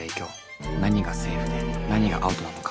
何がセーフで何がアウトなのか。